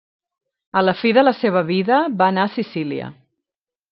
A la fi de la seva vida va anar a Sicília.